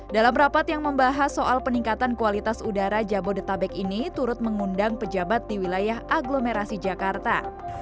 dalam rapat yang membahas soal peningkatan kualitas udara jabodetabek ini turut mengundang pejabat di wilayah aglomerasi jakarta